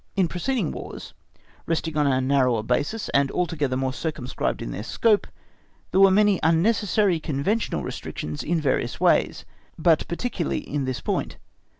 In preceding Wars, resting on a narrower basis, and altogether more circumscribed in their scope, there were many unnecessary conventional restrictions in various ways, but particularly in this point.